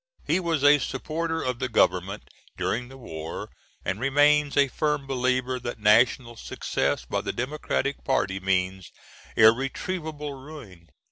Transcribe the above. He was a supporter of the Government during the war, and remains a firm believer, that national success by the Democratic party means irretrievable ruin.